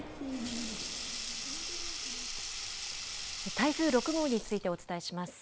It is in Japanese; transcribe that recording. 台風６号についてお伝えします。